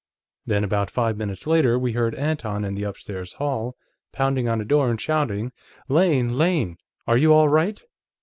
Then, about five minutes later, we heard Anton, in the upstairs hall, pounding on a door, and shouting: 'Lane! Lane! Are you all right?'